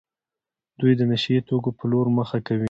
دوی د نشه يي توکو په لور مخه کوي.